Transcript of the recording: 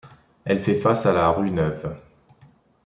Elle fait face à la rue Neuve.